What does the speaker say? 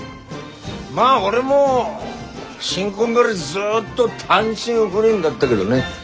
まあ俺も新婚ん時ずっと単身赴任だったげどね。